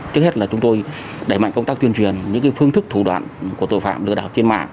trước hết là chúng tôi đẩy mạnh công tác tuyên truyền những phương thức thủ đoạn của tội phạm lừa đảo trên mạng